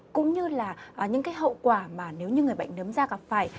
cũng như là những hậu quả mà nếu như người bệnh nấm da gặp phải